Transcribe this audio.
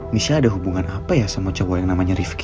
misalnya ada hubungan apa ya sama cowok yang namanya rifki